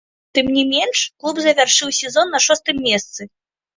Тым не менш, клуб завяршыў сезон на шостым месцы.